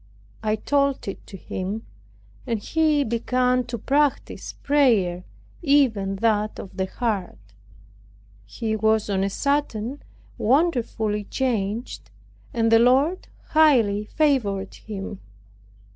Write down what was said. I told it to him; and he began to practice prayer, even that of the heart. He was on a sudden wonderfully changed, and the Lord highly favored him.